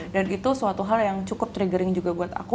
dan itu suatu hal yang cukup triggering juga buat aku